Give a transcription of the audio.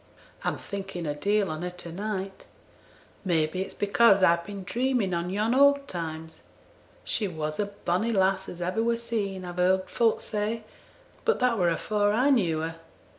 I'm thinking a deal on her to night; may be it's because I've been dreaming on yon old times. She was a bonny lass as ever were seen, I've heerd folk say; but that were afore I knew her.